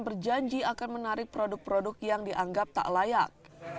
berjanji akan menarik produk produk yang dianggap tak layak